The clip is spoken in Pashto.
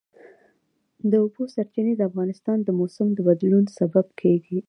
د اوبو سرچینې د افغانستان د موسم د بدلون سبب کېږي.